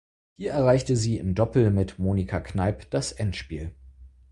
Hier erreichte sie im Doppel mit Monika Kneip das Endspiel.